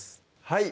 はい